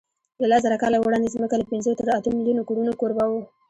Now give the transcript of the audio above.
له لسزره کاله وړاندې ځمکه له پینځو تر اتو میلیونو کورونو کوربه وه.